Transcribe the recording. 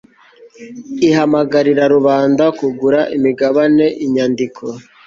ihamagarira rubanda kugura imigabane inyandiko